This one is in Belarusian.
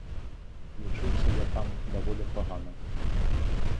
Вучыўся я там даволі пагана.